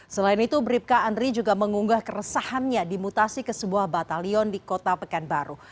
selain itu bribka andri juga mengunggah keresahannya dimutasi ke sebuah batalion di kota pekanbaru